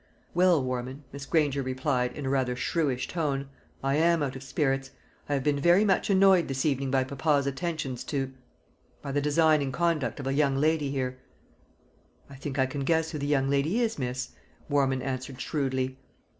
"Well, Warman," Miss Granger replied, in rather a shrewish tone, "I am out of spirits. I have been very much annoyed this evening by papa's attentions to by the designing conduct of a young lady here." "I think I can guess who the young lady is, miss," Warman answered shrewdly.